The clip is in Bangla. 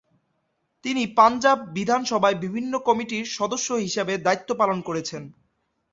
তিনি পাঞ্জাব বিধানসভায় বিভিন্ন কমিটির সদস্য হিসেবে দায়িত্ব পালন করেছেন।